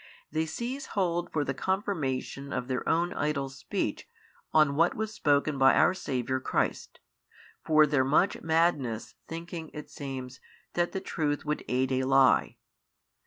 They seize hold for the confirmation of their own idle speech on what was spoken by our Saviour Christ, for their much madness thinking (it seems) that the truth would aid a lie.